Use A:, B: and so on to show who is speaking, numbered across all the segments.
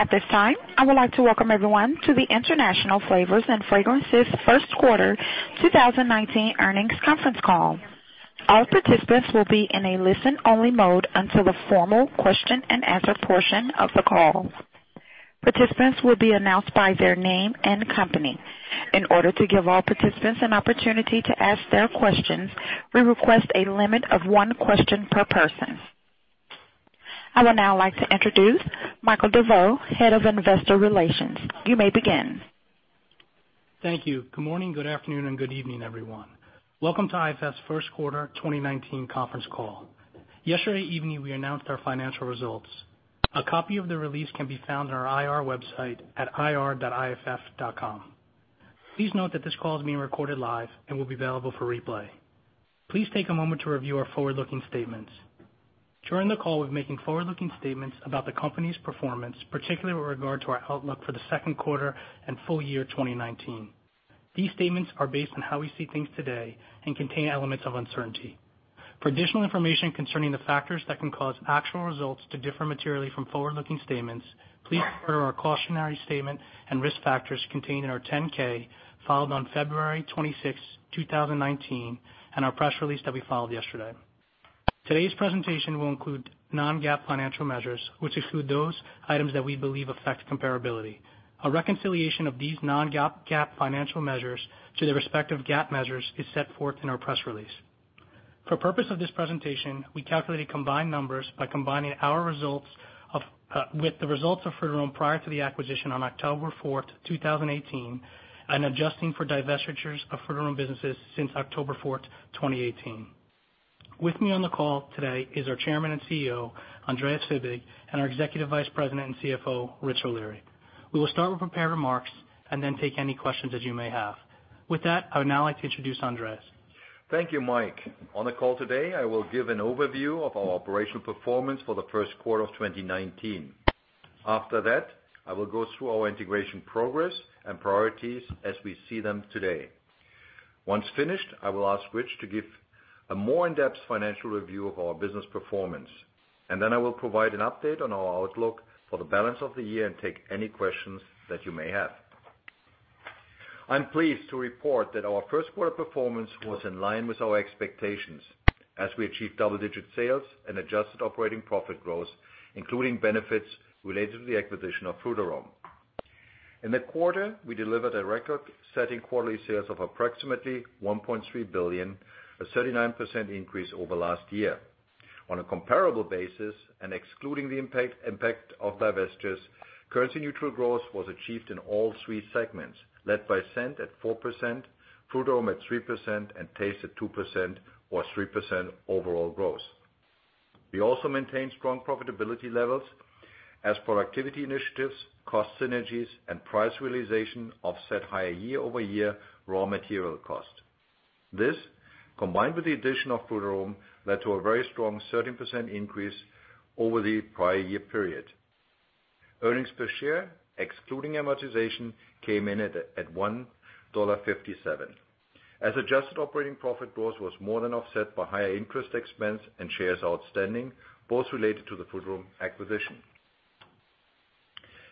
A: At this time, I would like to welcome everyone to the International Flavors & Fragrances first quarter 2019 earnings conference call. All participants will be in a listen-only mode until the formal question-and-answer portion of the call. Participants will be announced by their name and company. In order to give all participants an opportunity to ask their questions, we request a limit of one question per person. I would now like to introduce Michael DeVeau, Head of Investor Relations. You may begin.
B: Thank you. Good morning, good afternoon, and good evening, everyone. Welcome to IFF's first quarter 2019 conference call. Yesterday evening, we announced our financial results. A copy of the release can be found on our IR website at ir.iff.com. Please note that this call is being recorded live and will be available for replay. Please take a moment to review our forward-looking statements. During the call, we are making forward-looking statements about the company's performance, particularly with regard to our outlook for the second quarter and full year 2019. These statements are based on how we see things today and contain elements of uncertainty. For additional information concerning the factors that can cause actual results to differ materially from forward-looking statements, please refer to our cautionary statement and risk factors contained in our 10-K filed on February 26, 2019, and our press release that we filed yesterday. Today's presentation will include non-GAAP financial measures, which exclude those items that we believe affect comparability. A reconciliation of these non-GAAP financial measures to their respective GAAP measures is set forth in our press release. For purpose of this presentation, we calculated combined numbers by combining our results with the results of Frutarom prior to the acquisition on October 4, 2018, and adjusting for divestitures of Frutarom businesses since October 4, 2018. With me on the call today is our Chairman and CEO, Andreas Fibig, and our Executive Vice President and CFO, Rich O'Leary. We will start with prepared remarks and then take any questions as you may have. With that, I would now like to introduce Andreas.
C: Thank you, Mike. On the call today, I will give an overview of our operational performance for the first quarter of 2019. After that, I will go through our integration progress and priorities as we see them today. Once finished, I will ask Rich to give a more in-depth financial review of our business performance, and then I will provide an update on our outlook for the balance of the year and take any questions that you may have. I am pleased to report that our first quarter performance was in line with our expectations as we achieved double-digit sales and adjusted operating profit growth, including benefits related to the acquisition of Frutarom. In the quarter, we delivered a record-setting quarterly sales of approximately $1.3 billion, a 39% increase over last year. On a comparable basis, excluding the impact of divestitures, currency neutral growth was achieved in all three segments, led by scent at 4%, Frutarom at 3%, and taste at 2%, or 3% overall growth. We also maintained strong profitability levels as productivity initiatives, cost synergies, and price realization offset higher year-over-year raw material cost. This, combined with the addition of Frutarom, led to a very strong 13% increase over the prior year period. Earnings per share, excluding amortization, came in at $1.57. As adjusted operating profit growth was more than offset by higher interest expense and shares outstanding, both related to the Frutarom acquisition.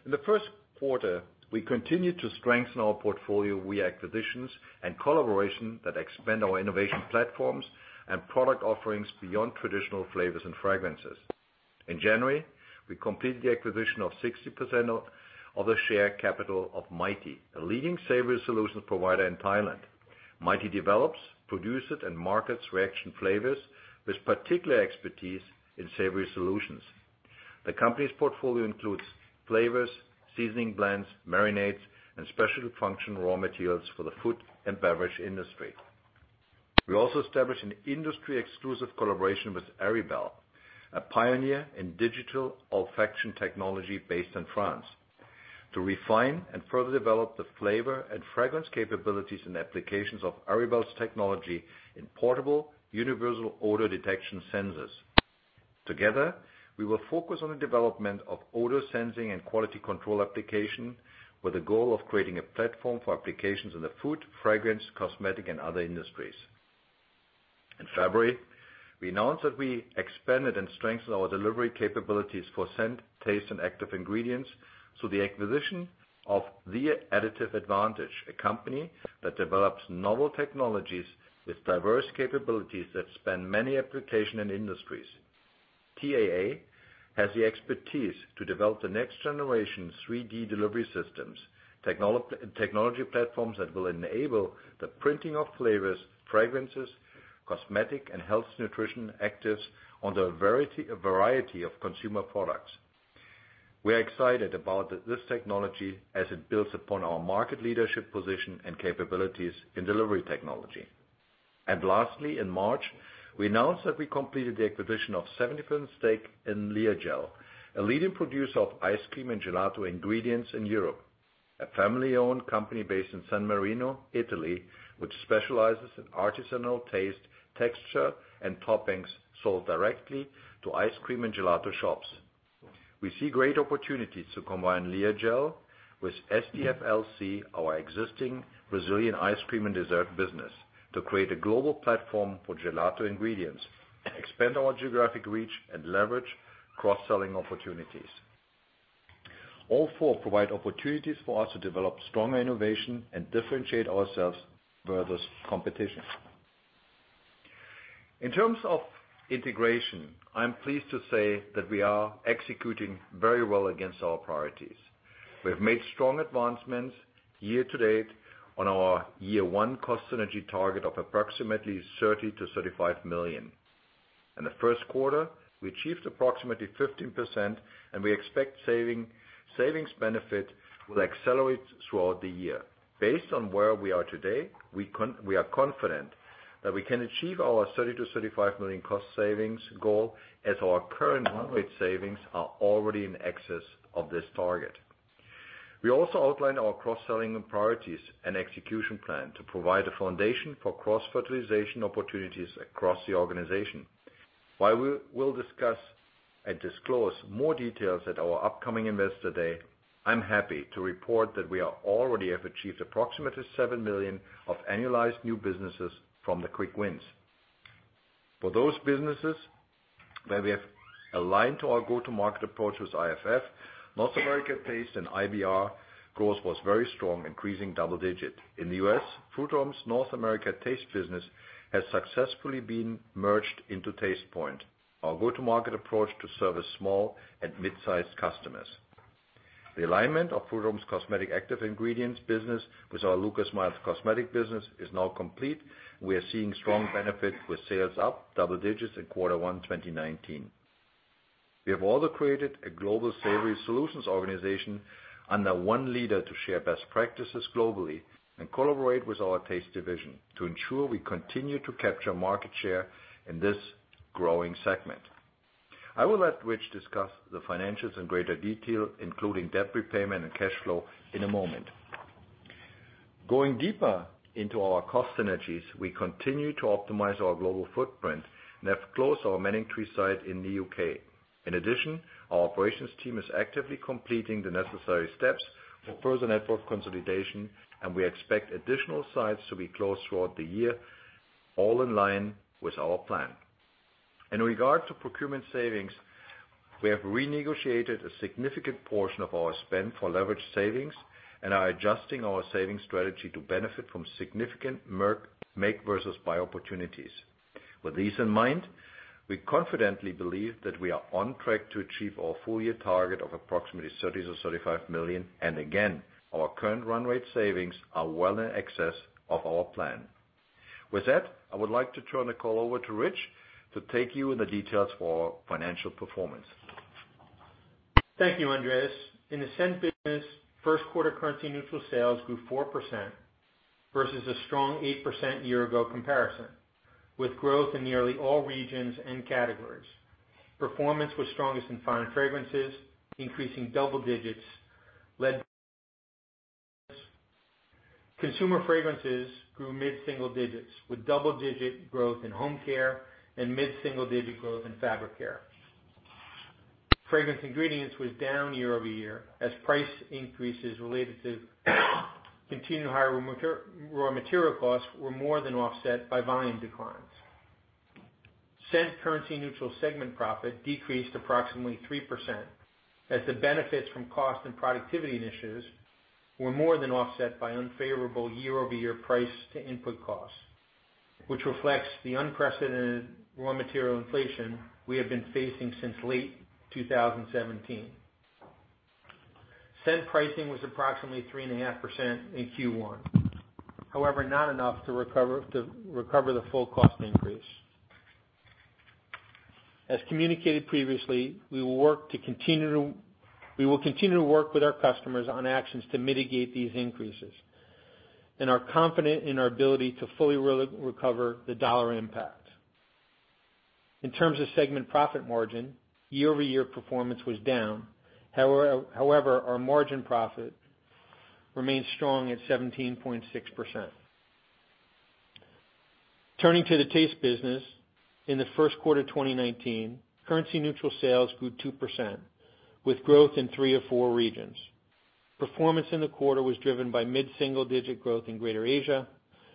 C: In the first quarter, we continued to strengthen our portfolio via acquisitions and collaboration that expand our innovation platforms and product offerings beyond traditional flavors and fragrances. In January, we completed the acquisition of 60% of the share capital of Mighty, a leading savory solutions provider in Thailand. Mighty develops, produces, and markets reaction flavors with particular expertise in savory solutions. The company's portfolio includes flavors, seasoning blends, marinades, and special function raw materials for the food and beverage industry. We also established an industry-exclusive collaboration with Aryballe, a pioneer in digital olfaction technology based in France, to refine and further develop the flavor and fragrance capabilities and applications of Aryballe's technology in portable universal odor detection sensors. Together, we will focus on the development of odor sensing and quality control application with the goal of creating a platform for applications in the food, fragrance, cosmetic, and other industries. In February, we announced that we expanded and strengthened our delivery capabilities for scent, taste, and active ingredients through the acquisition of The Additive Advantage, a company that develops novel technologies with diverse capabilities that span many application and industries. TAA has the expertise to develop the next generation 3D delivery systems, technology platforms that will enable the printing of flavors, fragrances, cosmetic, and health nutrition actives onto a variety of consumer products. We're excited about this technology as it builds upon our market leadership position and capabilities in delivery technology. Lastly, in March, we announced that we completed the acquisition of 70% stake in Leagel, a leading producer of ice cream and gelato ingredients in Europe. A family-owned company based in San Marino, Italy, which specializes in artisanal taste, texture, and toppings sold directly to ice cream and gelato shops. We see great opportunities to combine Leagel with SDFLC, our existing Brazilian ice cream and dessert business, to create a global platform for gelato ingredients, expand our geographic reach, and leverage cross-selling opportunities. All four provide opportunities for us to develop strong innovation and differentiate ourselves from the competition. In terms of integration, I'm pleased to say that we are executing very well against our priorities. We have made strong advancements year to date on our year one cost synergy target of approximately $30 million-$35 million. In the first quarter, we achieved approximately 15%, and we expect savings benefit will accelerate throughout the year. Based on where we are today, we are confident that we can achieve our $30 million-$35 million cost savings goal as our current run rate savings are already in excess of this target. We also outlined our cross-selling priorities and execution plan to provide a foundation for cross-fertilization opportunities across the organization. While we'll discuss and disclose more details at our upcoming Investor Day, I'm happy to report that we already have achieved approximately $7 million of annualized new businesses from the quick wins. For those businesses that we have aligned to our go-to-market approach with IFF, North America Taste and IBR growth was very strong, increasing double digits. In the U.S., Frutarom's North America Taste business has successfully been merged into Tastepoint, our go-to-market approach to service small and mid-sized customers. The alignment of Frutarom's Cosmetic Active Ingredients business with our Lucas Meyer cosmetic business is now complete. We are seeing strong benefit with sales up double digits in quarter one 2019. We have also created a global savory solutions organization under one leader to share best practices globally and collaborate with our Taste division to ensure we continue to capture market share in this growing segment. I will let Rich discuss the financials in greater detail, including debt repayment and cash flow in a moment. Going deeper into our cost synergies, we continue to optimize our global footprint and have closed our Manningtree site in the U.K. In addition, our operations team is actively completing the necessary steps for further network consolidation, and we expect additional sites to be closed throughout the year, all in line with our plan. In regard to procurement savings, we have renegotiated a significant portion of our spend for leverage savings and are adjusting our savings strategy to benefit from significant make versus buy opportunities. With these in mind, we confidently believe that we are on track to achieve our full year target of approximately $30 million-$35 million, and again, our current run rate savings are well in excess of our plan. With that, I would like to turn the call over to Rich to take you in the details for our financial performance.
D: Thank you, Andreas. In the Scent business, first quarter currency-neutral sales grew 4% versus a strong 8% year-ago comparison, with growth in nearly all regions and categories. Performance was strongest in fine fragrances, increasing double digits led. Consumer fragrances grew mid-single digits with double-digit growth in home care and mid-single-digit growth in fabric care. Fragrance ingredients were down year-over-year as price increases related to continued higher raw material costs were more than offset by volume declines. Scent currency-neutral segment profit decreased approximately 3% as the benefits from cost and productivity initiatives were more than offset by unfavorable year-over-year price to input costs, which reflects the unprecedented raw material inflation we have been facing since late 2017. Scent pricing was approximately 3.5% in Q1. However, not enough to recover the full cost increase. As communicated previously, we will continue to work with our customers on actions to mitigate these increases and are confident in our ability to fully recover the dollar impact. In terms of segment profit margin, year-over-year performance was down. However, our margin profit remains strong at 17.6%. Turning to the Taste business, in the first quarter 2019, currency-neutral sales grew 2% with growth in three of four regions. Performance in the quarter was driven by mid-single-digit growth in Greater Asia,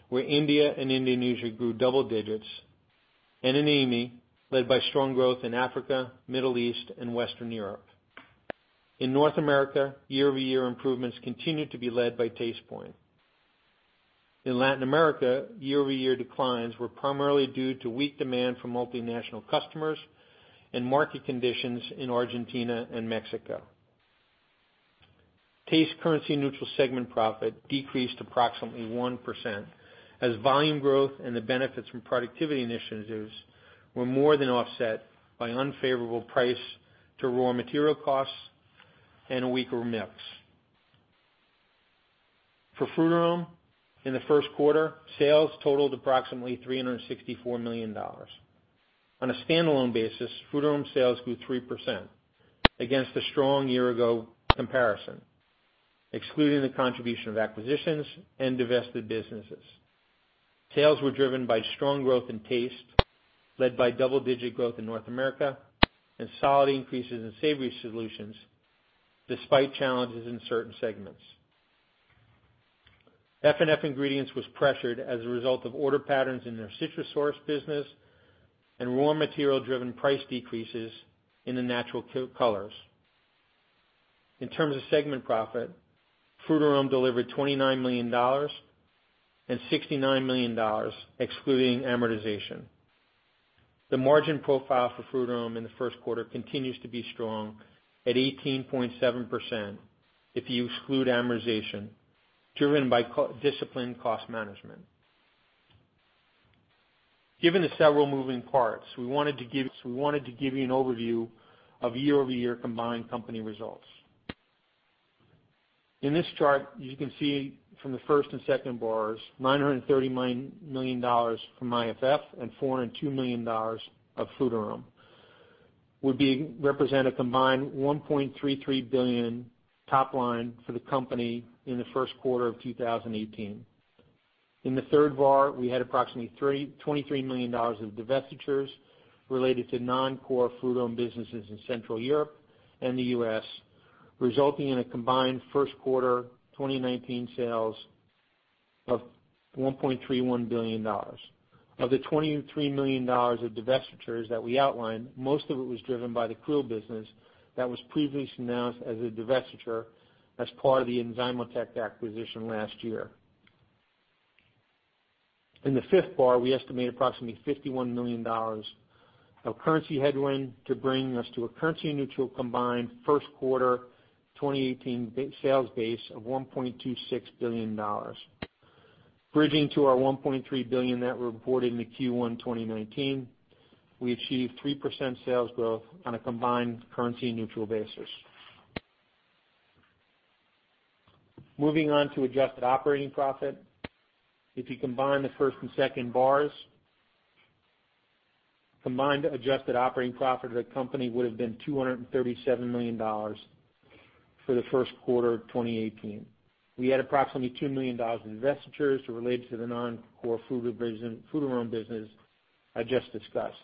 D: where India and Indonesia grew double digits, and in EAME, led by strong growth in Africa, Middle East and Western Europe. In North America, year-over-year improvements continued to be led by Tastepoint. In Latin America, year-over-year declines were primarily due to weak demand from multinational customers and market conditions in Argentina and Mexico. Taste currency-neutral segment profit decreased approximately 1% as volume growth and the benefits from productivity initiatives were more than offset by unfavorable price to raw material costs and weaker mix. For Frutarom, in the first quarter, sales totaled approximately $364 million. On a standalone basis, Frutarom sales grew 3% against a strong year-ago comparison, excluding the contribution of acquisitions and divested businesses. Sales were driven by strong growth in Taste, led by double-digit growth in North America and solid increases in savory solutions despite challenges in certain segments. F&F Ingredients was pressured as a result of order patterns in their Citrosource business and raw material-driven price decreases in the natural colors. In terms of segment profit, Frutarom delivered $29 million and $69 million excluding amortization. The margin profile for Frutarom in the first quarter continues to be strong at 18.7% if you exclude amortization, driven by disciplined cost management. Given the several moving parts, we wanted to give you an overview of year-over-year combined company results. In this chart, you can see from the first and second bars, $939 million from IFF and $402 million of Frutarom, would represent a combined $1.33 billion top line for the company in the first quarter of 2018. In the third bar, we had approximately $23 million of divestitures related to non-core Frutarom businesses in Central Europe and the U.S., resulting in a combined first quarter 2019 sales of $1.31 billion. Of the $23 million of divestitures that we outlined, most of it was driven by the Krill business that was previously announced as a divestiture as part of the Enzymotec acquisition last year. In the fifth bar, we estimate approximately $51 million of currency headwind to bring us to a currency neutral combined first quarter 2018 sales base of $1.26 billion. Bridging to our $1.3 billion that we reported in the Q1 2019, we achieved 3% sales growth on a combined currency neutral basis. Moving on to adjusted operating profit. If you combine the first and second bars, combined adjusted operating profit of the company would've been $237 million for the first quarter of 2018. We had approximately $2 million in divestitures related to the non-core Frutarom business I just discussed.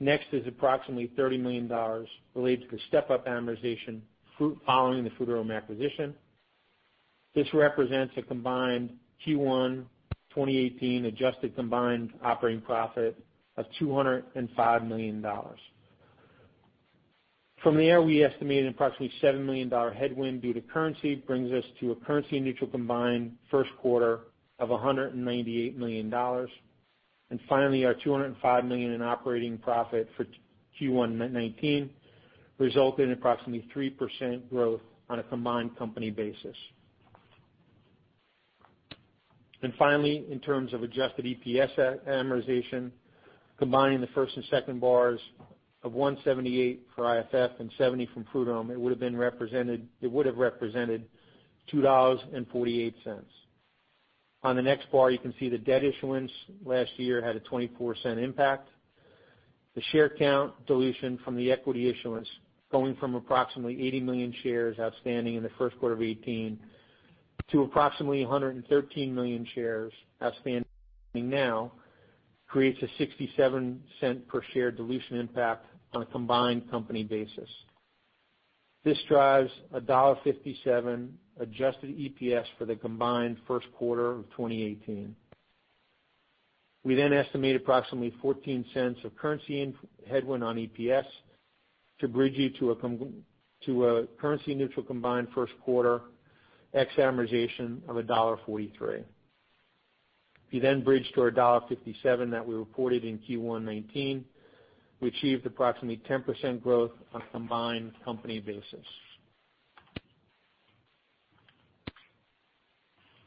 D: Next is approximately $30 million related to the step-up amortization following the Frutarom acquisition. This represents a combined Q1 2018 adjusted combined operating profit of $205 million. From there, we estimated approximately $7 million headwind due to currency, brings us to a currency neutral combined first quarter of $198 million. Finally, our $205 million in operating profit for Q1 2019 resulted in approximately 3% growth on a combined company basis. Finally, in terms of adjusted EPS amortization, combining the first and second bars of $178 for IFF and $70 from Frutarom, it would've represented $2.48. The next bar, you can see the debt issuance last year had a $0.24 impact. The share count dilution from the equity issuance going from approximately 80 million shares outstanding in the first quarter of 2018 to approximately 113 million shares outstanding now, creates a $0.67 per share dilution impact on a combined company basis. This drives $1.57 adjusted EPS for the combined first quarter of 2018. We then estimate approximately $0.14 of currency headwind on EPS to bridge you to a currency neutral combined first quarter ex amortization of $1.43. We then bridge to our $1.57 that we reported in Q1 2019. We achieved approximately 10% growth on a combined company basis.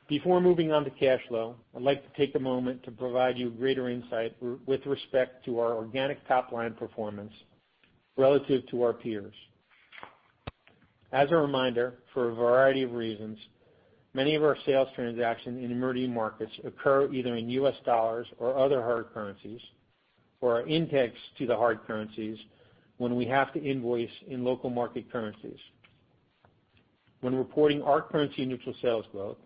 D: Before moving on to cash flow, I'd like to take a moment to provide you greater insight with respect to our organic top-line performance relative to our peers. As a reminder, for a variety of reasons, many of our sales transactions in emerging markets occur either in U.S. dollars or other hard currencies or are indexed to the hard currencies when we have to invoice in local market currencies. When reporting our currency neutral sales growth,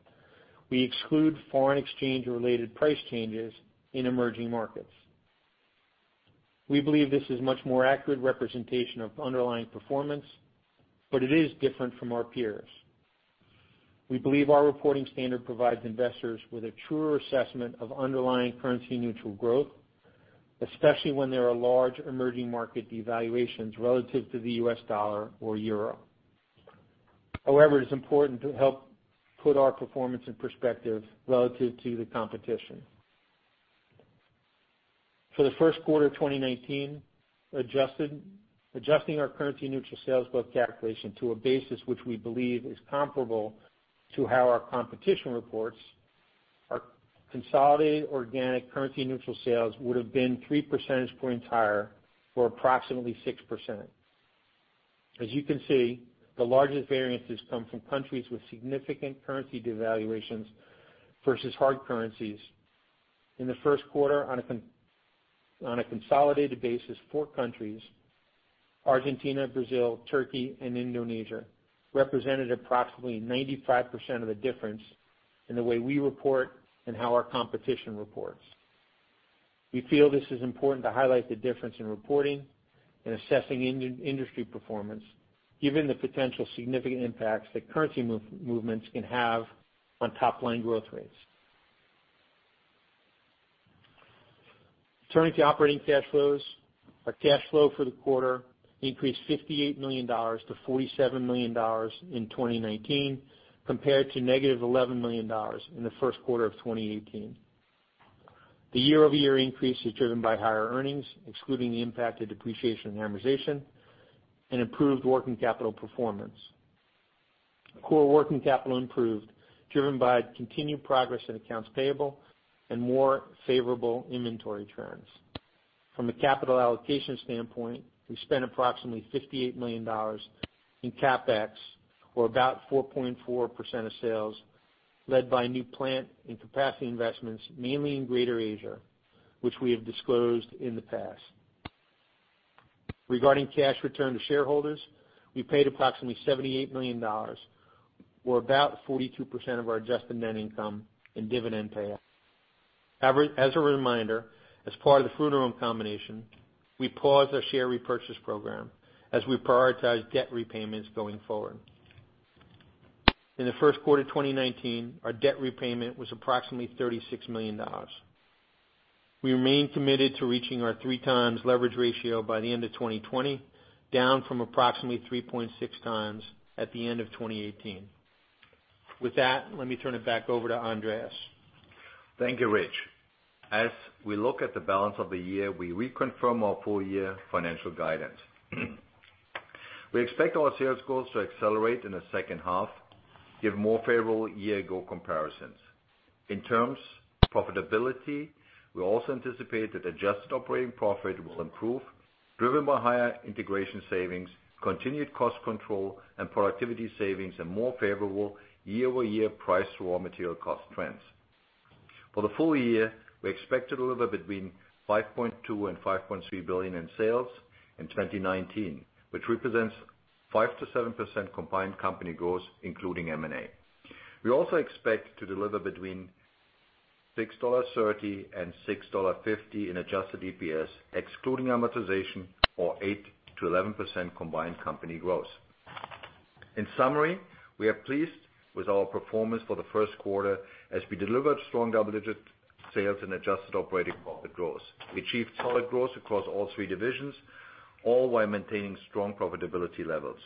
D: we exclude foreign exchange or related price changes in emerging markets. We believe this is a much more accurate representation of underlying performance, but it is different from our peers. We believe our reporting standard provides investors with a truer assessment of underlying currency neutral growth, especially when there are large emerging market devaluations relative to the U.S. dollar or euro. It is important to help put our performance in perspective relative to the competition. For the first quarter of 2019, adjusting our currency neutral sales growth calculation to a basis which we believe is comparable to how our competition reports, our consolidated organic currency neutral sales would've been three percentage points higher for approximately 6%. As you can see, the largest variances come from countries with significant currency devaluations versus hard currencies. In the first quarter, on a consolidated basis, four countries, Argentina, Brazil, Turkey and Indonesia, represented approximately 95% of the difference in the way we report and how our competition reports. We feel this is important to highlight the difference in reporting and assessing industry performance, given the potential significant impacts that currency movements can have on top-line growth rates. Turning to operating cash flows. Our cash flow for the quarter increased $58 million to $47 million in 2019 compared to negative $11 million in the first quarter of 2018. The year-over-year increase is driven by higher earnings, excluding the impact of depreciation and amortization, and improved working capital performance. Core working capital improved, driven by continued progress in accounts payable and more favorable inventory trends. From a capital allocation standpoint, we spent approximately $58 million in CapEx, or about 4.4% of sales, led by new plant and capacity investments, mainly in Greater Asia, which we have disclosed in the past. Regarding cash return to shareholders, we paid approximately $78 million or about 42% of our adjusted net income in dividend payout. As a reminder, as part of the Frutarom combination, we paused our share repurchase program as we prioritize debt repayments going forward. In the first quarter of 2019, our debt repayment was approximately $36 million. We remain committed to reaching our 3 times leverage ratio by the end of 2020, down from approximately 3.6 times at the end of 2018. With that, let me turn it back over to Andreas.
C: Thank you, Rich. As we look at the balance of the year, we reconfirm our full-year financial guidance. We expect our sales growth to accelerate in the second half, give more favorable year-ago comparisons. In terms of profitability, we also anticipate that adjusted operating profit will improve, driven by higher integration savings, continued cost control and productivity savings, and more favorable year-over-year price raw material cost trends. For the full year, we expect to deliver between $5.2 billion-$5.3 billion in sales in 2019, which represents 5%-7% combined company growth, including M&A. We also expect to deliver between $6.30-$6.50 in adjusted EPS, excluding amortization, or 8%-11% combined company growth. In summary, we are pleased with our performance for the first quarter as we delivered strong double-digit sales and adjusted operating profit growth. We achieved solid growth across all three divisions, all while maintaining strong profitability levels.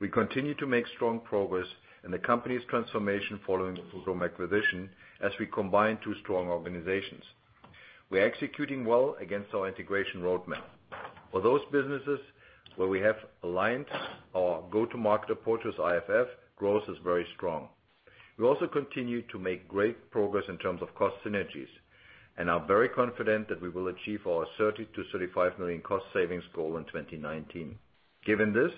C: We continue to make strong progress in the company's transformation following the Frutarom acquisition as we combine two strong organizations. We are executing well against our integration roadmap. For those businesses where we have aligned our go-to-market approach with IFF, growth is very strong. We also continue to make great progress in terms of cost synergies and are very confident that we will achieve our $30 million-$35 million cost savings goal in 2019. Given this,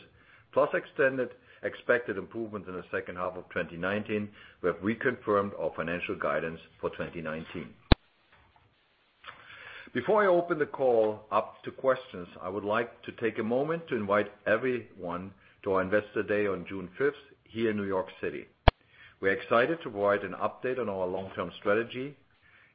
C: plus extended expected improvement in the second half of 2019, we have reconfirmed our financial guidance for 2019. Before I open the call up to questions, I would like to take a moment to invite everyone to our Investor Day on June 5th, here in New York City. We're excited to provide an update on our long-term strategy,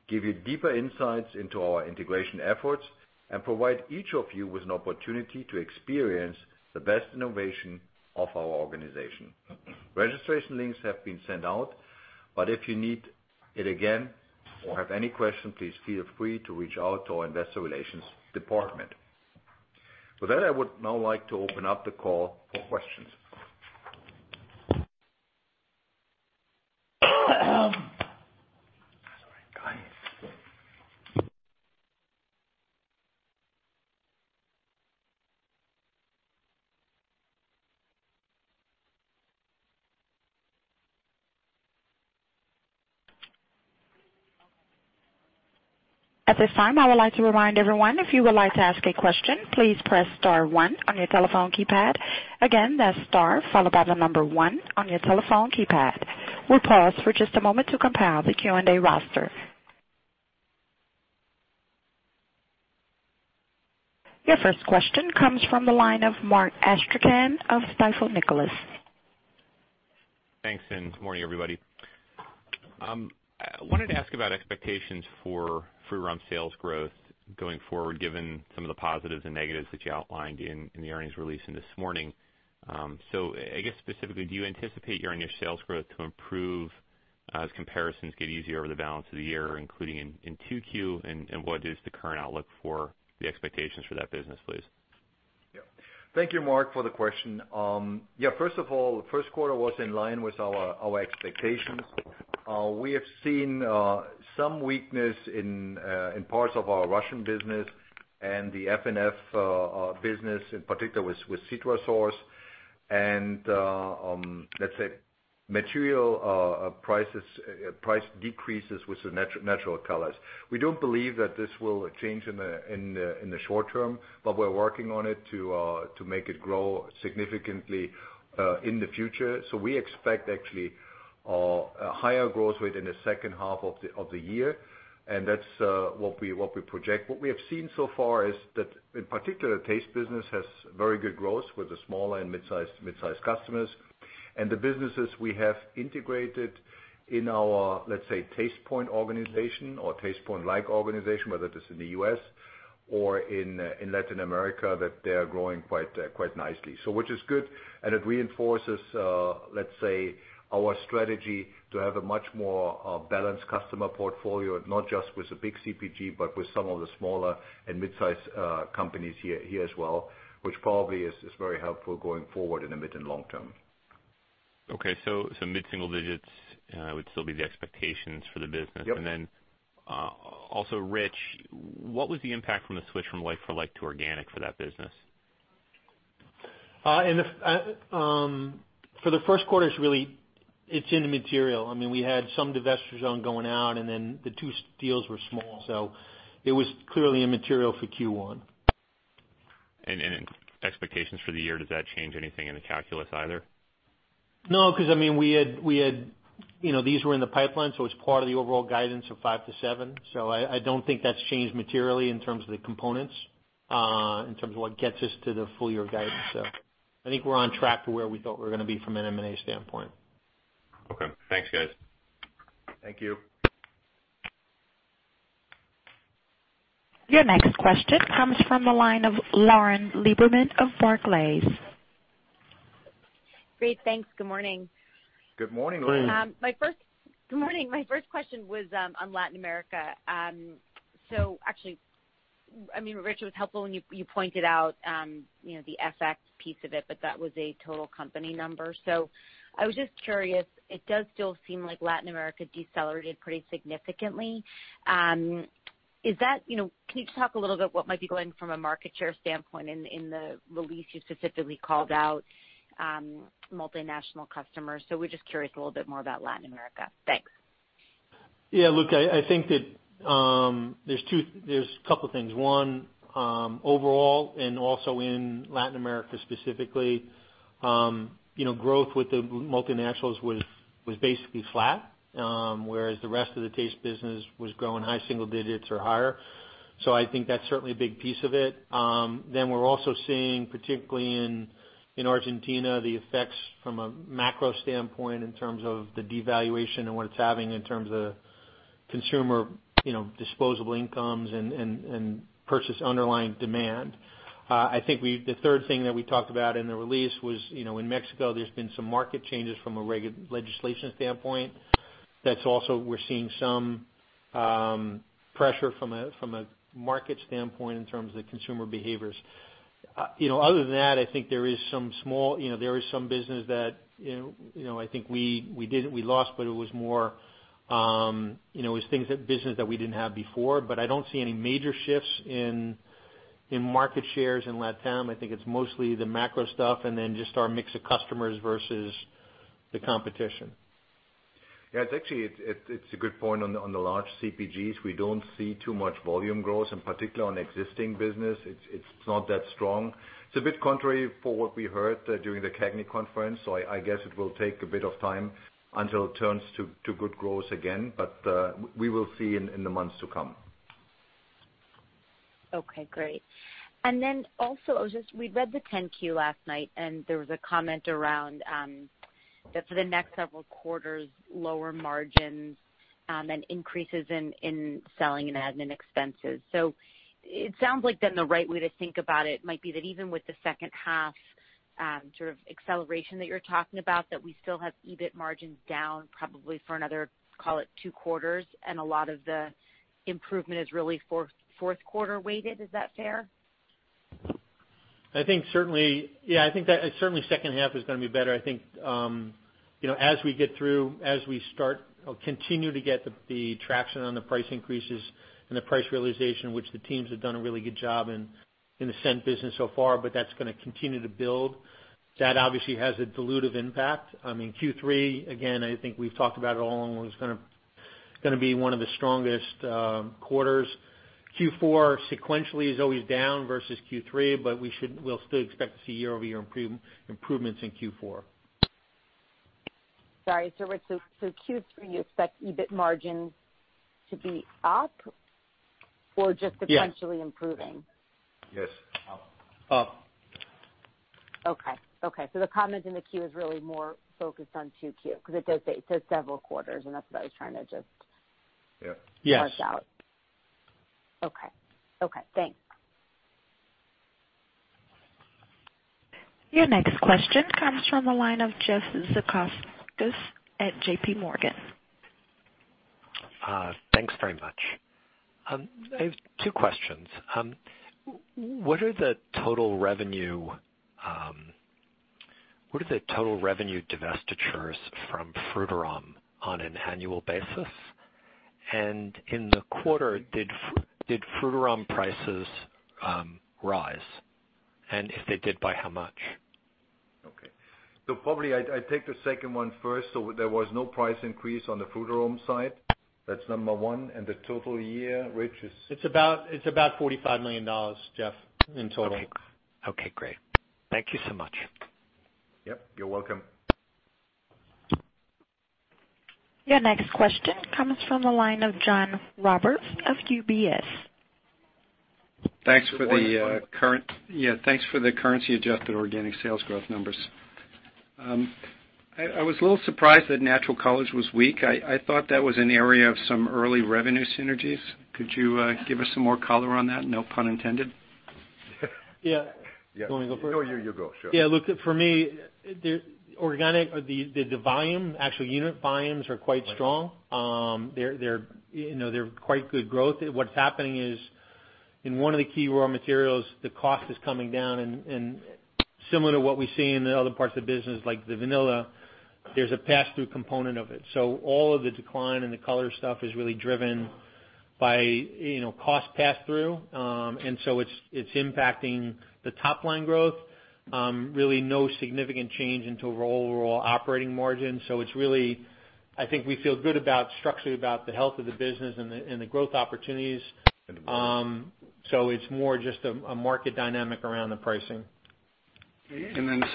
C: give you deeper insights into our integration efforts, and provide each of you with an opportunity to experience the best innovation of our organization. Registration links have been sent out, but if you need it again or have any questions, please feel free to reach out to our investor relations department. With that, I would now like to open up the call for questions.
E: Sorry.
A: At this time, I would like to remind everyone, if you would like to ask a question, please press star one on your telephone keypad. Again, that's star followed by the number one on your telephone keypad. We'll pause for just a moment to compile the Q&A roster. Your first question comes from the line of Mark Astrachan of Stifel, Nicolaus.
F: Thanks, good morning, everybody. I wanted to ask about expectations for Frutarom sales growth going forward, given some of the positives and negatives that you outlined in the earnings release this morning. I guess specifically, do you anticipate your initial sales growth to improve as comparisons get easier over the balance of the year, including in 2Q? What is the current outlook for the expectations for that business, please?
C: Thank you, Mark, for the question. First of all, the first quarter was in line with our expectations. We have seen some weakness in parts of our Russian business and the F&F business, in particular with Citrosource and, let's say material price decreases with the natural colors. We don't believe that this will change in the short term, we're working on it to make it grow significantly in the future. We expect actually a higher growth rate in the second half of the year, that's what we project. What we have seen so far is that, in particular, Taste business has very good growth with the small and midsize customers. The businesses we have integrated in our, let's say, Tastepoint organization or Tastepoint-like organization, whether it is in the U.S. or in Latin America, that they are growing quite nicely. Which is good, it reinforces, let's say, our strategy to have a much more balanced customer portfolio, not just with the big CPG, with some of the smaller and mid-size companies here as well, which probably is very helpful going forward in the mid and long term.
F: Okay, some mid-single digits would still be the expectations for the business.
C: Yep.
F: Then also, Rich, what was the impact from the switch from like-for-like to organic for that business?
D: For the first quarter, it's in the material. We had some divestitures going out, then the two deals were small, it was clearly immaterial for Q1.
F: In expectations for the year, does that change anything in the calculus either?
D: No, because these were in the pipeline, so it's part of the overall guidance of five to seven. I don't think that's changed materially in terms of the components, in terms of what gets us to the full-year guidance. I think we're on track for where we thought we were going to be from an M&A standpoint.
F: Okay. Thanks, guys.
C: Thank you.
A: Your next question comes from the line of Lauren Lieberman of Barclays.
G: Great. Thanks. Good morning.
C: Good morning, Lauren.
G: Good morning. My first question was on Latin America. Actually, Rich, it was helpful when you pointed out the FX piece of it, but that was a total company number. I was just curious, it does still seem like Latin America decelerated pretty significantly. Can you just talk a little bit what might be going from a market share standpoint in the release you specifically called out multinational customers? We're just curious a little bit more about Latin America. Thanks.
D: Look, I think that there's a couple of things. One, overall, and also in Latin America specifically, growth with the multinationals was basically flat, whereas the rest of the Taste business was growing high single digits or higher. I think that's certainly a big piece of it. We're also seeing, particularly in Argentina, the effects from a macro standpoint in terms of the devaluation and what it's having in terms of consumer disposable incomes and purchase underlying demand. I think the third thing that we talked about in the release was, in Mexico, there's been some market changes from a legislation standpoint. That's also we're seeing some pressure from a market standpoint in terms of the consumer behaviors. Other than that, I think there is some business that I think we lost, but it was things that business that we didn't have before. I don't see any major shifts in market shares in Latam. I think it's mostly the macro stuff and then just our mix of customers versus the competition.
C: Yeah, it's a good point on the large CPGs. We don't see too much volume growth, in particular on existing business. It's not that strong. I guess it will take a bit of time until it turns to good growth again. We will see in the months to come.
G: Okay, great. Also, we read the 10-Q last night, and there was a comment around that for the next several quarters, lower margins and increases in selling and admin expenses. It sounds like then the right way to think about it might be that even with the second half sort of acceleration that you're talking about, that we still have EBIT margins down probably for another, call it two quarters, and a lot of the improvement is really fourth quarter weighted. Is that fair?
D: Yeah, I think that certainly second half is going to be better. I think as we continue to get the traction on the price increases and the price realization, which the teams have done a really good job in the scent business so far, that's going to continue to build. That obviously has a dilutive impact. Q3, again, I think we've talked about it all along, was going to be one of the strongest quarters. Q4 sequentially is always down versus Q3. We'll still expect to see year-over-year improvements in Q4.
G: Sorry. Rich, Q3, you expect EBIT margins to be up or just-
D: Yes
G: sequentially improving?
C: Yes. Up.
D: Up.
G: Okay. The comment in the Q is really more focused on 2Q, because it does say several quarters, that's what I was trying to just-
C: Yeah.
D: Yes
G: work out. Okay. Thanks.
A: Your next question comes from the line of Jeff Zekauskas at JPMorgan.
H: Thanks very much. I have two questions. What are the total revenue divestitures from Frutarom on an annual basis? In the quarter, did Frutarom prices rise? If they did, by how much?
C: Okay. Probably I'd take the second one first. There was no price increase on the Frutarom side. That's number one. The total year, Rich, is?
D: It's about $45 million, Jeff, in total.
H: Okay, great. Thank you so much.
C: Yep, you're welcome.
A: Your next question comes from the line of John Roberts of UBS.
I: Thanks for the currency adjusted organic sales growth numbers. I was a little surprised that natural colors was weak. I thought that was an area of some early revenue synergies. Could you give us some more color on that? No pun intended.
D: Yeah. You want me to go first?
C: No, you go. Sure.
D: Yeah. Look, for me, the volume, actual unit volumes are quite strong. They're quite good growth. What's happening is in one of the key raw materials, the cost is coming down and similar to what we see in the other parts of the business, like the vanilla, there's a pass-through component of it. All of the decline in the color stuff is really driven by cost pass-through. It's impacting the top line growth. Really no significant change into overall operating margin. I think we feel good about structurally about the health of the business and the growth opportunities. It's more just a market dynamic around the pricing.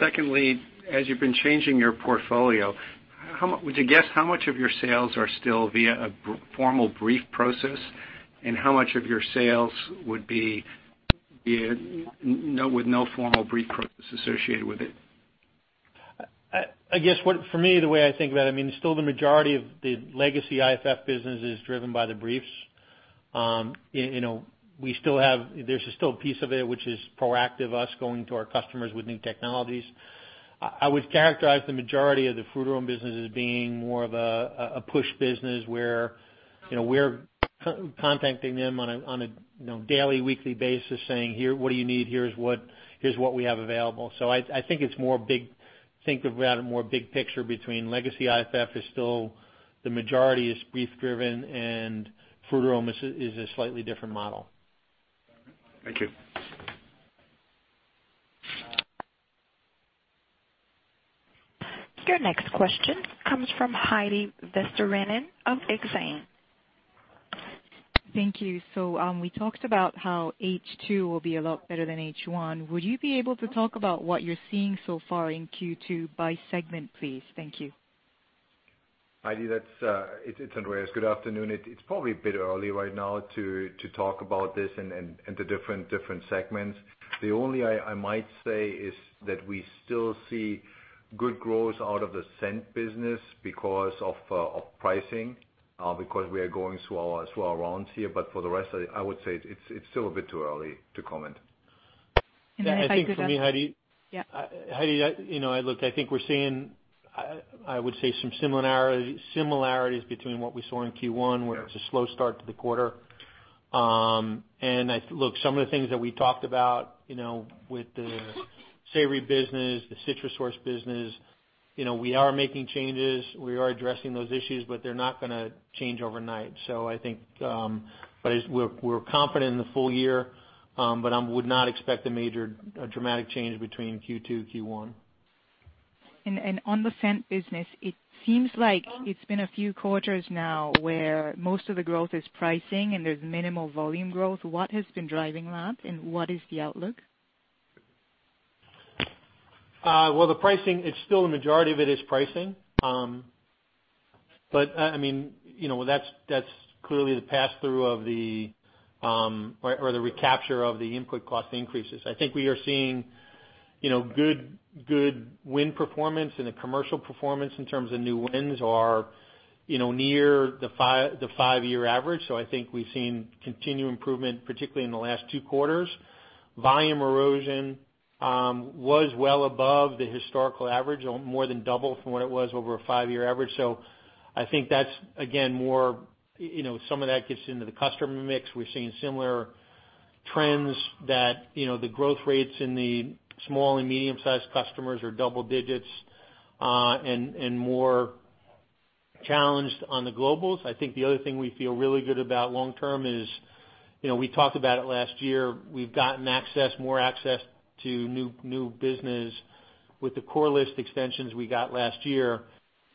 I: Secondly, as you've been changing your portfolio, would you guess how much of your sales are still via a formal brief process and how much of your sales would be with no formal brief process associated with it?
D: I guess, for me, the way I think about it, still the majority of the legacy IFF business is driven by the briefs. There's still a piece of it which is proactive, us going to our customers with new technologies. I would characterize the majority of the Frutarom business as being more of a push business where we're contacting them on a daily, weekly basis saying, "Here, what do you need? Here's what we have available." Think of more big picture between legacy IFF is still the majority is brief driven and Frutarom is a slightly different model.
I: Thank you.
A: Your next question comes from Heidi Vesterinen of Exane.
J: Thank you. We talked about how H2 will be a lot better than H1. Would you be able to talk about what you're seeing so far in Q2 by segment, please? Thank you.
C: Heidi, it's Andreas. Good afternoon. It's probably a bit early right now to talk about this and the different segments. The only I might say is that we still see good growth out of the scent business because of pricing, because we are going through our rounds here. For the rest, I would say it's still a bit too early to comment.
J: if I could.
D: I think for me, Heidi.
J: Yeah.
D: Heidi, look, I think we're seeing, I would say, some similarities between what we saw in Q1 where it's a slow start to the quarter. Look, some of the things that we talked about, with the savory business, the Citrosource business, we are making changes. We are addressing those issues, but they're not gonna change overnight. We're confident in the full year, but I would not expect a major dramatic change between Q2, Q1.
J: On the scent business, it seems like it's been a few quarters now where most of the growth is pricing and there's minimal volume growth. What has been driving that and what is the outlook?
D: Well, the pricing, it's still the majority of it is pricing. That's clearly the pass-through or the recapture of the input cost increases. I think we are seeing good win performance and the commercial performance in terms of new wins are near the five-year average. I think we've seen continued improvement, particularly in the last two quarters. Volume erosion was well above the historical average, more than double from what it was over a five-year average. I think that's, again, more, some of that gets into the customer mix. We're seeing similar trends that the growth rates in the small and medium sized customers are double digits, and more challenged on the globals. I think the other thing we feel really good about long term is, we talked about it last year. We've gotten more access to new business with the core list extensions we got last year,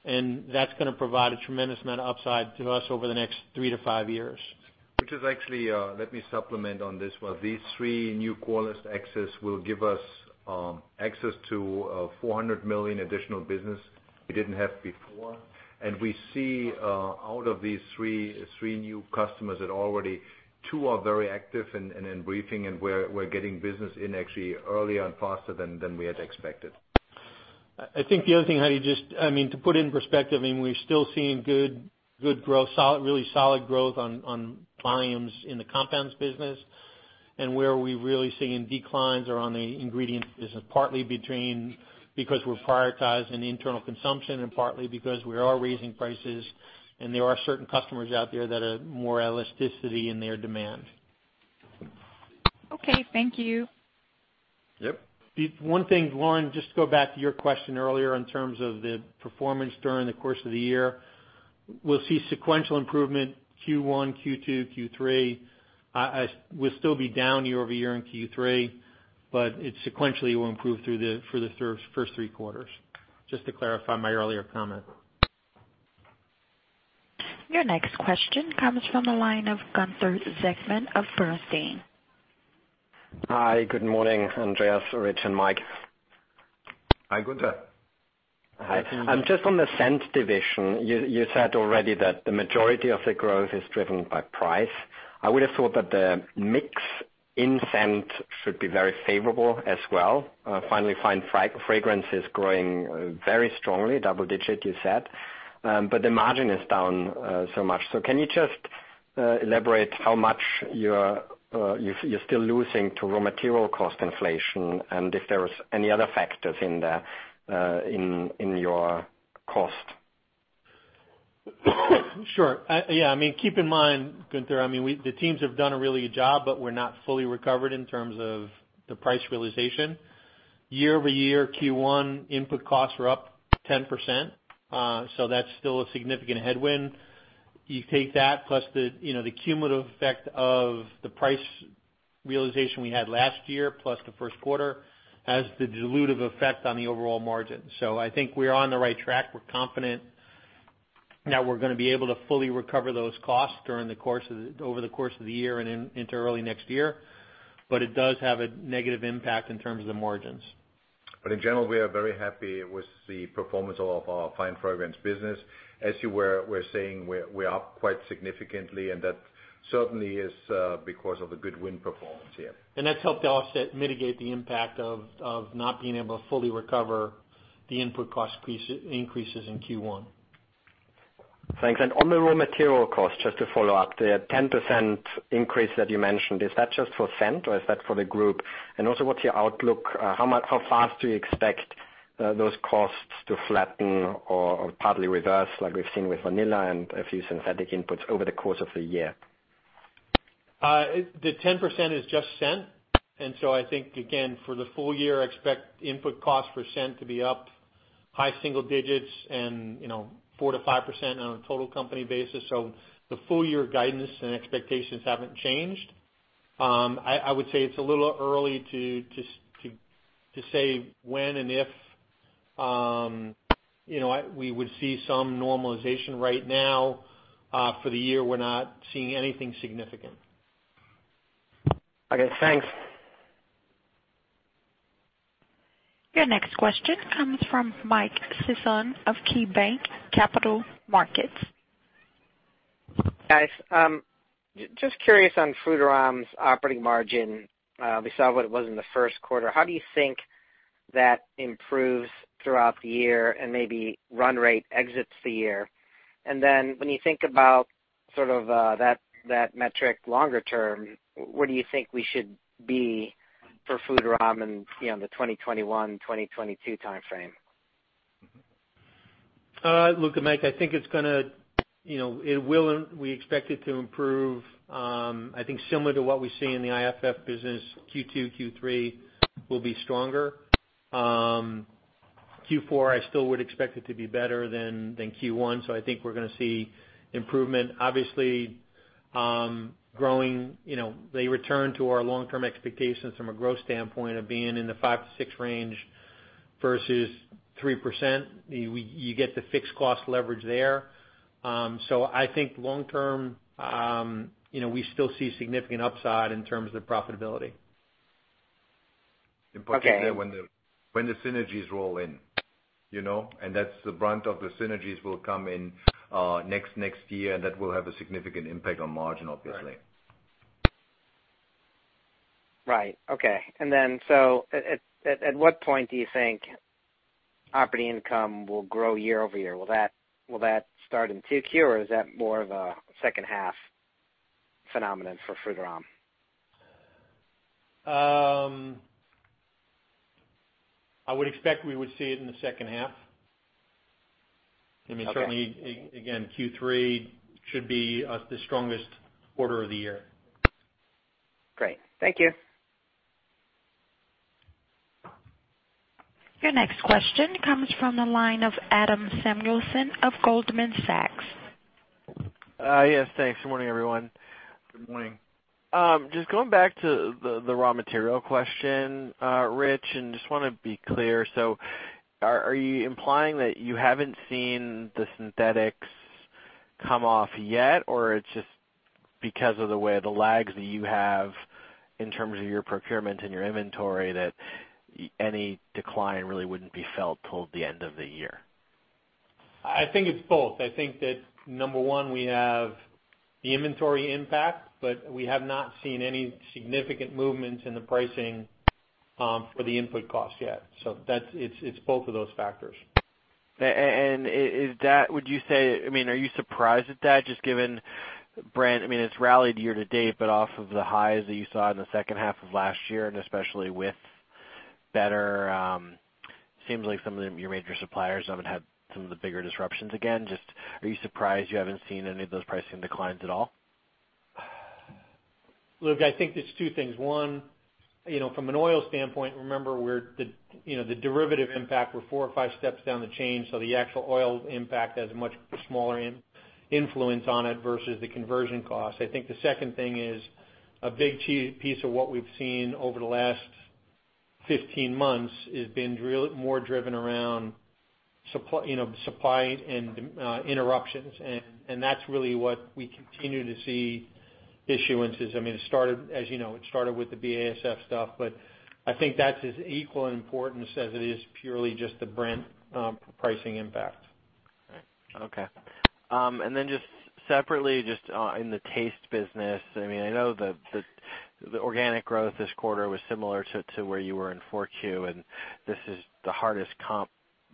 D: that's gonna provide a tremendous amount of upside to us over the next three to five years.
C: Which is actually, let me supplement on this one. These three new core list access will give us access to $400 million additional business we didn't have before. We see out of these three new customers that already two are very active and in briefing and we're getting business in actually earlier and faster than we had expected.
D: I think the other thing, Heidi, just to put it in perspective, we're still seeing good growth, really solid growth on volumes in the compounds business. Where we're really seeing declines are on the ingredient business, partly between because we're prioritizing the internal consumption and partly because we are raising prices and there are certain customers out there that have more elasticity in their demand.
J: Okay. Thank you.
C: Yep.
D: One thing, Lauren, just to go back to your question earlier in terms of the performance during the course of the year. We'll see sequential improvement Q1, Q2, Q3. We'll still be down year-over-year in Q3, but it sequentially will improve through the first three quarters. Just to clarify my earlier comment.
A: Your next question comes from the line of Gunther Zechmann of Bernstein.
K: Hi, good morning, Andreas, Rich, and Mike.
C: Hi, Gunther.
K: Hi. Just on the scent division, you said already that the majority of the growth is driven by price. I would've thought that the mix in scent should be very favorable as well. Finally find fragrances growing very strongly, double digit, you said. The margin is down so much. Can you just elaborate how much you're still losing to raw material cost inflation and if there is any other factors in your cost?
D: Sure. Keep in mind, Gunther, the teams have done a really good job, but we're not fully recovered in terms of the price realization. Year-over-year, Q1 input costs are up 10%, so that's still a significant headwind. You take that plus the cumulative effect of the price realization we had last year, plus the first quarter, has the dilutive effect on the overall margin. I think we're on the right track. We're confident that we're gonna be able to fully recover those costs over the course of the year and into early next year. It does have a negative impact in terms of the margins.
C: In general, we are very happy with the performance of our fine fragrance business. As you were saying, we are up quite significantly, and that certainly is because of the good win performance here.
D: That's helped offset mitigate the impact of not being able to fully recover the input cost increases in Q1.
K: Thanks. On the raw material cost, just to follow up, the 10% increase that you mentioned, is that just for scent or is that for the group? Also what's your outlook? How fast do you expect those costs to flatten or partly reverse, like we've seen with vanilla and a few synthetic inputs over the course of the year?
D: The 10% is just scent. I think, again, for the full year, I expect input cost for scent to be up high single digits and 4%-5% on a total company basis. The full year guidance and expectations haven't changed. I would say it's a little early to say when and if we would see some normalization right now. For the year, we're not seeing anything significant.
K: Okay, thanks.
A: Your next question comes from Michael Sison of KeyBanc Capital Markets.
L: Guys, just curious on Frutarom's operating margin. We saw what it was in the first quarter. How do you think that improves throughout the year and maybe run rate exits the year? When you think about that metric longer term, where do you think we should be for Frutarom in the 2021, 2022 timeframe?
D: Look, Mike, I think we expect it to improve. I think similar to what we see in the IFF business, Q2, Q3 will be stronger. Q4, I still would expect it to be better than Q1. I think we're gonna see improvement. Obviously, growing, they return to our long-term expectations from a growth standpoint of being in the five to six range versus 3%. You get the fixed cost leverage there. I think long term, we still see significant upside in terms of profitability.
L: Okay.
C: In particular when the synergies roll in. That's the brunt of the synergies will come in next year, and that will have a significant impact on margin, obviously.
L: Right. Okay. At what point do you think operating income will grow year-over-year? Will that start in 2Q or is that more of a second half phenomenon for Frutarom?
D: I would expect we would see it in the second half.
L: Okay.
D: Certainly, again, Q3 should be the strongest quarter of the year.
L: Great. Thank you.
A: Your next question comes from the line of Adam Samuelson of Goldman Sachs.
M: Yes, thanks. Good morning, everyone.
D: Good morning.
M: Just going back to the raw material question, Rich, want to be clear. Are you implying that you haven't seen the synthetics come off yet? It's just because of the way the lags that you have in terms of your procurement and your inventory, that any decline really wouldn't be felt till the end of the year?
D: I think it's both. I think that, number one, we have the inventory impact, we have not seen any significant movement in the pricing for the input cost yet. It's both of those factors.
M: Are you surprised at that, just given Brent, it's rallied year to date, off of the highs that you saw in the second half of last year, especially with better, seems like some of your major suppliers haven't had some of the bigger disruptions again. Are you surprised you haven't seen any of those pricing declines at all?
D: Look, I think there's two things. One, from an oil standpoint, remember the derivative impact we're four or five steps down the chain, so the actual oil impact has a much smaller influence on it versus the conversion cost. I think the second thing is a big piece of what we've seen over the last 15 months has been more driven around supply and interruptions. That's really what we continue to see issuances. It started with the BASF stuff, but I think that's as equally important as it is purely just the Brent pricing impact.
M: Okay. Just separately, just in the taste business, I know the organic growth this quarter was similar to where you were in four Q, and this is the hardest comp.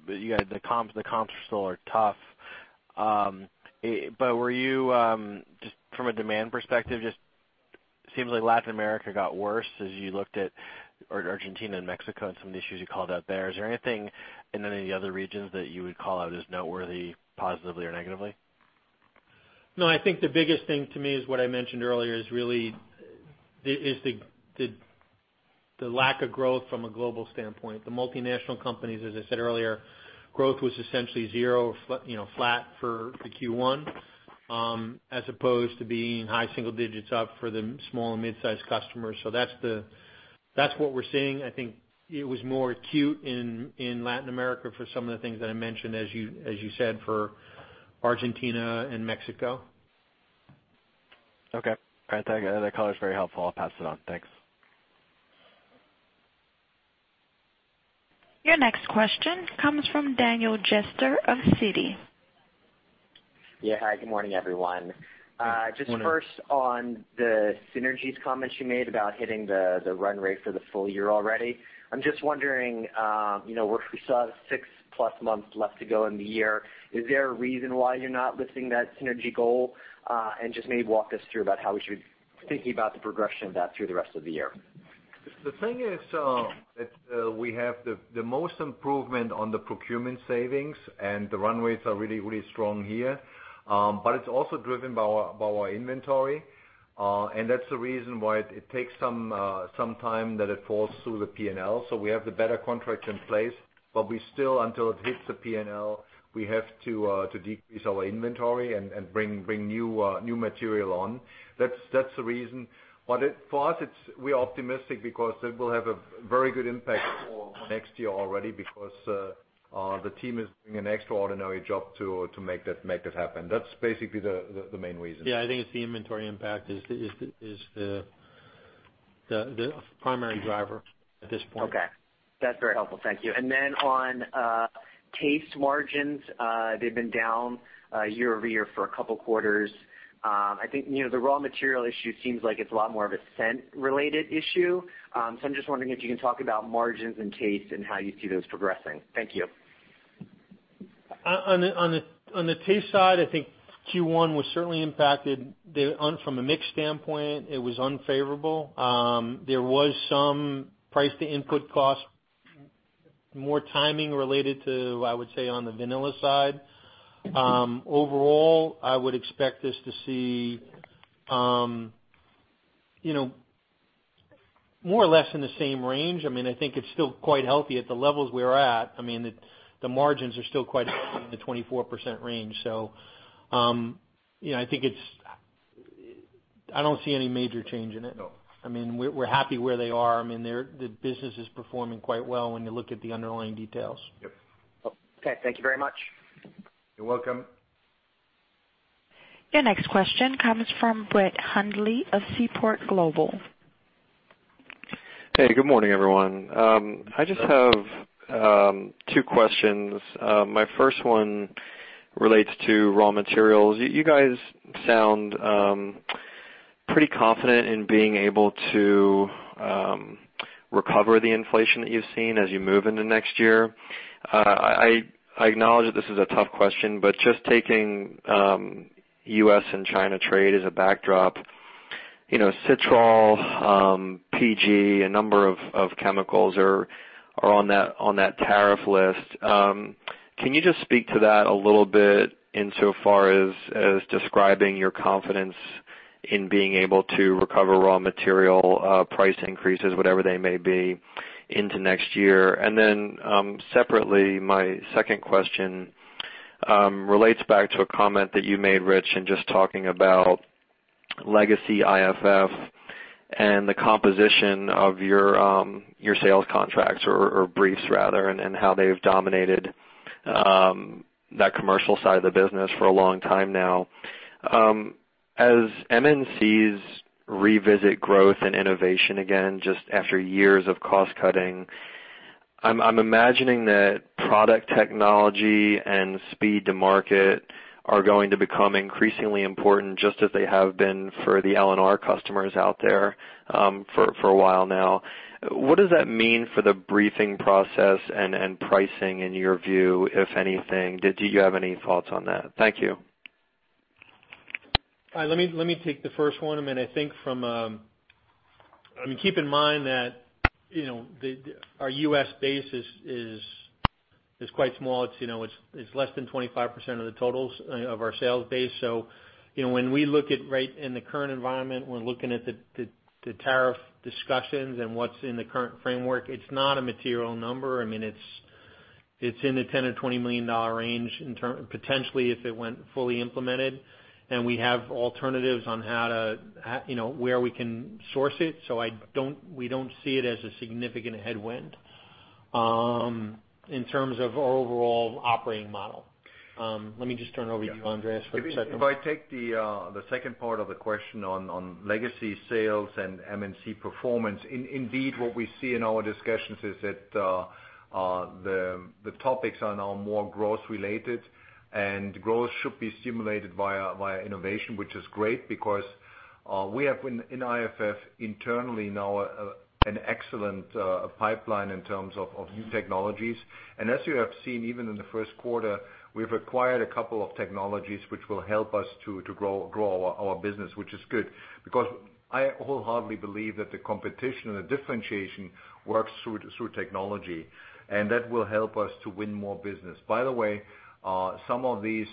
M: The comps still are tough. Were you, just from a demand perspective, just seems like Latin America got worse as you looked at Argentina and Mexico and some of the issues you called out there. Is there anything in any of the other regions that you would call out as noteworthy, positively or negatively?
D: No, I think the biggest thing to me is what I mentioned earlier, is really the lack of growth from a global standpoint. The multinational companies, as I said earlier, growth was essentially zero, flat for the Q1 as opposed to being high single digits up for the small and mid-sized customers. That's what we're seeing. I think it was more acute in Latin America for some of the things that I mentioned, as you said, for Argentina and Mexico.
M: Okay. All right, that color is very helpful. I'll pass it on. Thanks.
A: Your next question comes from Daniel Jester of Citi.
N: Yeah. Hi, good morning, everyone.
D: Good morning.
N: Just first on the synergies comments you made about hitting the run rate for the full year already. I'm just wondering, we still have six plus months left to go in the year. Is there a reason why you're not lifting that synergy goal? Just maybe walk us through about how we should be thinking about the progression of that through the rest of the year.
D: The thing is that we have the most improvement on the procurement savings, the run rates are really strong here. It's also driven by our inventory. That's the reason why it takes some time that it falls through the P&L. We have the better contracts in place, but we still, until it hits the P&L, we have to decrease our inventory and bring new material on. That's the reason. For us, we're optimistic because it will have a very good impact for next year already because the team is doing an extraordinary job to make that happen. That's basically the main reason. Yeah, I think it's the inventory impact is the primary driver at this point.
N: Okay. That's very helpful. Thank you. Then on taste margins, they've been down year-over-year for a couple of quarters. I think the raw material issue seems like it's a lot more of a scent related issue. I'm just wondering if you can talk about margins and taste and how you see those progressing. Thank you.
D: On the taste side, I think Q1 was certainly impacted from a mix standpoint, it was unfavorable. There was some price to input cost, more timing related to, I would say, on the vanilla side. Overall, I would expect us to see more or less in the same range. I think it's still quite healthy at the levels we're at. The margins are still quite healthy in the 24% range. I don't see any major change in it.
C: No.
D: We're happy where they are. The business is performing quite well when you look at the underlying details.
C: Yep. Okay. Thank you very much.
D: You're welcome.
A: Your next question comes from Brett Hundley of Seaport Global.
O: Hey, good morning, everyone. I just have two questions. My first one relates to raw materials. You guys sound pretty confident in being able to recover the inflation that you've seen as you move into next year. I acknowledge that this is a tough question, but just taking U.S. and China trade as a backdrop, citral, PG, a number of chemicals are on that tariff list. Can you just speak to that a little bit insofar as describing your confidence in being able to recover raw material price increases, whatever they may be, into next year? Separately, my second question relates back to a comment that you made, Rich, in just talking about legacy IFF and the composition of your sales contracts or briefs rather, and how they've dominated that commercial side of the business for a long time now. As MNCs revisit growth and innovation again, just after years of cost cutting, I'm imagining that product technology and speed to market are going to become increasingly important, just as they have been for the L&R customers out there for a while now. What does that mean for the briefing process and pricing, in your view, if anything? Do you have any thoughts on that? Thank you.
D: Let me take the first one. Keep in mind that our U.S. base is quite small. It's less than 25% of the totals of our sales base. When we look at right in the current environment, we're looking at the tariff discussions and what's in the current framework, it's not a material number. It's in the $10 million or $20 million range, potentially, if it went fully implemented, and we have alternatives on where we can source it. We don't see it as a significant headwind in terms of our overall operating model. Let me just turn it over to you, Andreas, for a second.
C: If I take the second part of the question on legacy sales and MNC performance, indeed, what we see in our discussions is that the topics are now more growth-related, and growth should be stimulated via innovation, which is great because we have, in IFF internally now, an excellent pipeline in terms of new technologies. As you have seen, even in the first quarter, we've acquired a couple of technologies which will help us to grow our business, which is good, because I wholeheartedly believe that the competition and the differentiation works through technology, and that will help us to win more business. By the way, some of these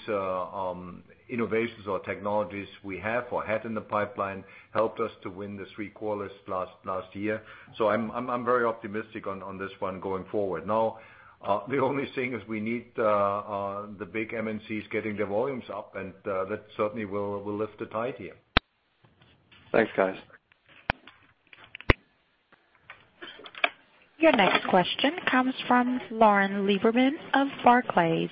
C: innovations or technologies we have or had in the pipeline helped us to win the three quarters last year. I'm very optimistic on this one going forward. The only thing is we need the big MNCs getting their volumes up, and that certainly will lift the tide here.
D: Thanks, guys.
A: Your next question comes from Lauren Lieberman of Barclays.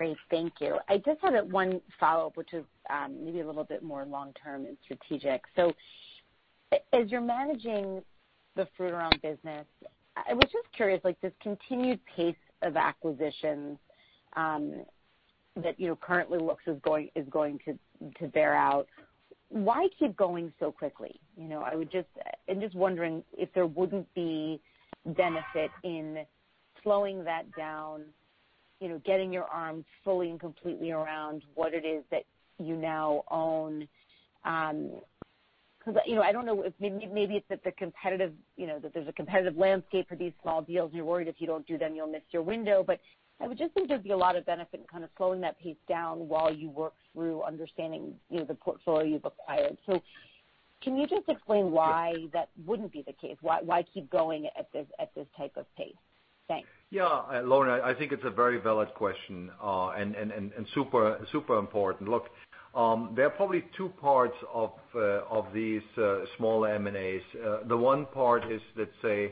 G: Great. Thank you. I just had one follow-up, which is maybe a little bit more long-term and strategic. As you're managing the Frutarom business, I was just curious, this continued pace of acquisitions that currently looks as going to bear out. Why keep going so quickly? I'm just wondering if there wouldn't be benefit in slowing that down, getting your arms fully and completely around what it is that you now own. I don't know, maybe it's that there's a competitive landscape for these small deals and you're worried if you don't do them, you'll miss your window. I would just think there'd be a lot of benefit in kind of slowing that pace down while you work through understanding the portfolio you've acquired. Can you just explain why that wouldn't be the case? Why keep going at this type of pace? Thanks.
C: Yeah. Lauren, I think it's a very valid question, and super important. Look, there are probably two parts of these small M&As. The one part is, let's say,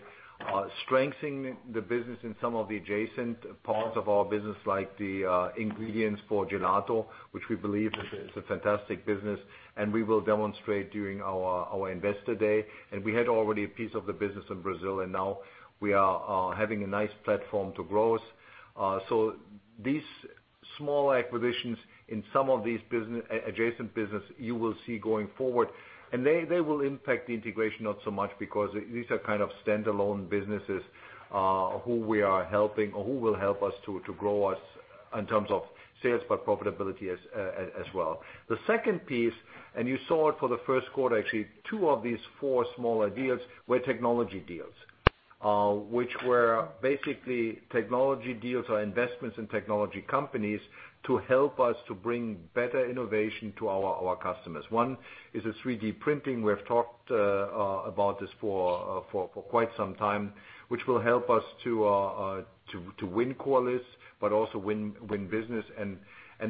C: strengthening the business in some of the adjacent parts of our business, like the ingredients for gelato, which we believe is a fantastic business, and we will demonstrate during our Investor Day. We had already a piece of the business in Brazil, and now we are having a nice platform to grow. These small acquisitions in some of these adjacent business, you will see going forward. They will impact the integration, not so much because these are kind of standalone businesses who we are helping or who will help us to grow us in terms of sales, but profitability as well. The second piece, you saw it for the first quarter, actually, two of these four smaller deals were technology deals, which were basically technology deals or investments in technology companies to help us to bring better innovation to our customers. One is a 3D printing. We have talked about this for quite some time, which will help us to win correlates, but also win business.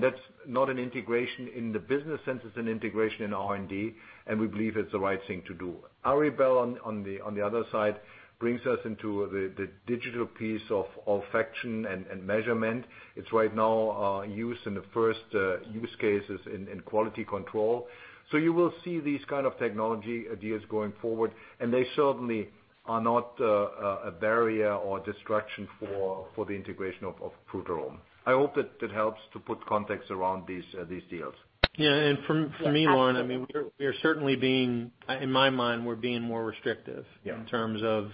C: That's not an integration in the business sense, it's an integration in R&D, and we believe it's the right thing to do. Aryballe, on the other side, brings us into the digital piece of olfaction and measurement. It's right now used in the first use cases in quality control. You will see these kind of technology ideas going forward, and they certainly are not a barrier or distraction for the integration of Frutarom. I hope that helps to put context around these deals.
D: Yeah. For me, Lauren, in my mind, we're being more restrictive-
C: Yeah
D: in terms of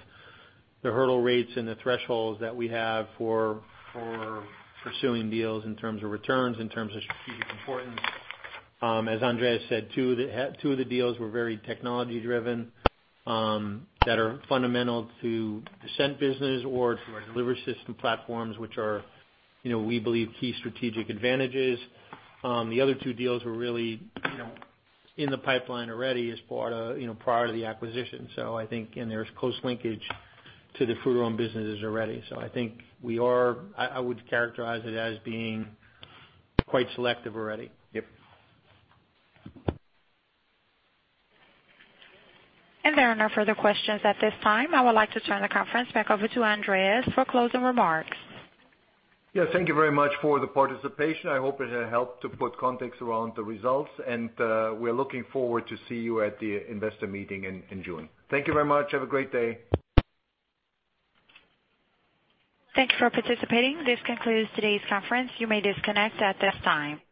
D: the hurdle rates and the thresholds that we have for pursuing deals in terms of returns, in terms of strategic importance. As Andreas said, two of the deals were very technology-driven, that are fundamental to the scent business or to our delivery system platforms, which are, we believe, key strategic advantages. The other two deals were really in the pipeline already prior to the acquisition. There's close linkage to the Frutarom businesses already. I think I would characterize it as being quite selective already.
C: Yep.
A: There are no further questions at this time. I would like to turn the conference back over to Andreas for closing remarks.
C: Thank you very much for the participation. I hope it helped to put context around the results, and we're looking forward to see you at the investor meeting in June. Thank you very much. Have a great day.
A: Thank you for participating. This concludes today's conference. You may disconnect at this time.